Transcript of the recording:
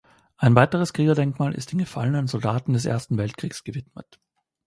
Ein weites Kriegerdenkmal ist den gefallenen Soldaten des Ersten Weltkriegs gewidmet.